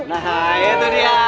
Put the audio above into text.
nah itu dia